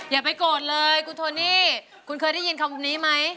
อย่าไปโกรธเลยคุณโทนี่คุณเคยได้ยินคำนี้ไหม